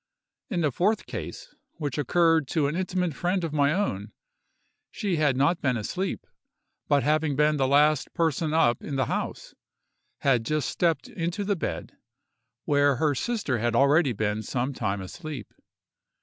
In the fourth case, which occurred to an intimate friend of my own, she had not been asleep; but having been the last person up in the house, had just stepped into the bed, where her sister had already been some time asleep.